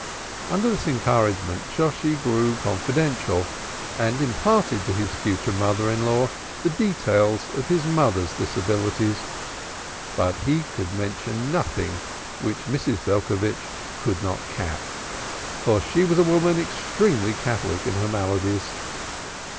Under this encouragement Shosshi grew confidential and imparted to his future mother in law the details of his mother's disabilities. But he could mention nothing which Mrs. Belcovitch could not cap, for she was a woman extremely catholic in her maladies.